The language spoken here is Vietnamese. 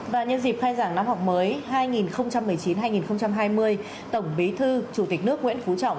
và nhân dịp khai giảng năm học mới hai nghìn một mươi chín hai nghìn hai mươi tổng bí thư chủ tịch nước nguyễn phú trọng